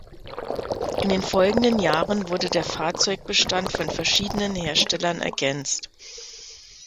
In den folgenden Jahren wurde der Fahrzeugbestand von verschiedenen Herstellern ergänzt.